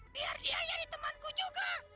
biar dia jadi temanku juga